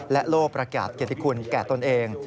และโลกประกาศเกียรติคุณแก่ตนเอง